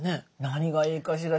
何がいいかしら。